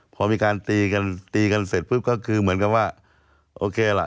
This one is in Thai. พอมีการตีกันตีกันเสร็จปุ๊บก็คือเหมือนกับว่าโอเคล่ะ